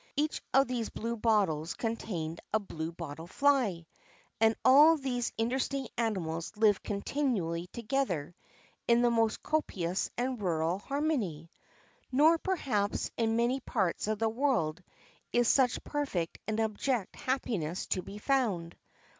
Each of these blue bottles contained a bluebottle fly; and all these interesting animals live continually together in the most copious and rural harmony; nor perhaps in many parts of the world is such perfect and abject happiness to be found.